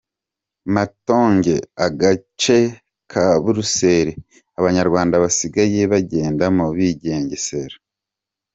Matonge, agace ka Buruseli Abanyarwanda basigaye bagendamo bigengesereye